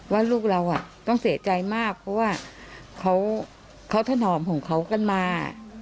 ว่าลูกเราต้องเสียใจมากเพราะว่าเขาถนอมของเขากันมา